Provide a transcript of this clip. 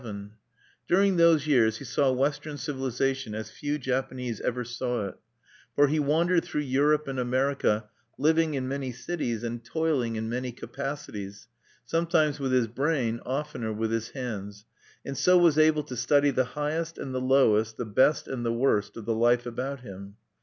VII During those years he saw Western civilization as few Japanese ever saw it; for he wandered through Europe and America, living in many cities, and toiling in many capacities, sometimes with his brain, oftener with his hands, and so was able to study the highest and the lowest, the best and the worst of the life about him.